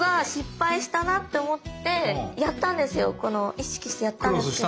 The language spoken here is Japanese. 意識してやったんですけど。